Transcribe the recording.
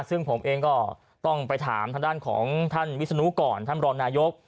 ซึ่งผมเองก็ต้องไปถามทางด้านของท่านวิศนุก่อนท่านรองนายก